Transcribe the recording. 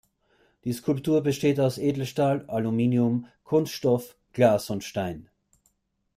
Die Skulptur besteht aus Edelstahl, Aluminium, Kunststoff, Glas und Stein.